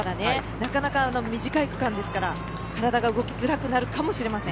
なかなか短い区間ですから体が動きづらくなるかもしれません。